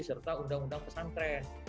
serta undang undang pesantren